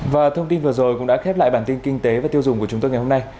và thông tin vừa rồi cũng đã khép lại bản tin kinh tế và tiêu dùng của chúng tôi ngày hôm nay